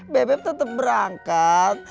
bebek tetap berangkat